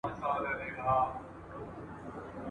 امبارکښ پرکوڅه پېښ سو د عطرونو !.